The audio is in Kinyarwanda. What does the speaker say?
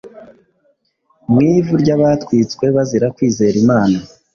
Mu ivu ry’abatwitswe bazira kwizera Imana